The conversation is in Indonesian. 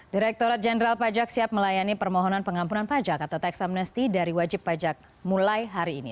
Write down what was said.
direkturat jenderal pajak siap melayani permohonan pengampunan pajak atau tax amnesty dari wajib pajak mulai hari ini